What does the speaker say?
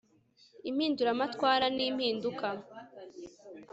impinduramatwara ni impinduka